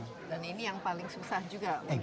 dan ini yang paling susah juga